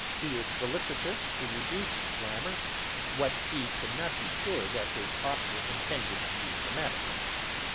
He is solicitous to reduce to grammar, what he could not be sure that his authour intended to be grammatical.